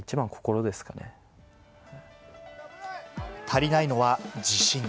足りないのは自信。